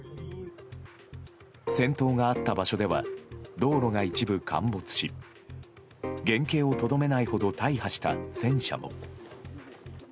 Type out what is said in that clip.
戦闘があった場所では道路が一部陥没し原形をとどめないほど大破した戦車も。